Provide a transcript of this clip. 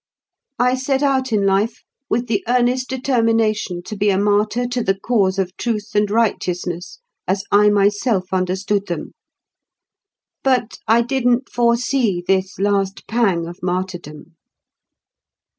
"I set out in life with the earnest determination to be a martyr to the cause of truth and righteousness, as I myself understood them. But I didn't foresee this last pang of martyrdom.